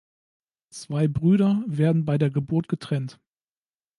Zwei Brüder werden bei der Geburt getrennt.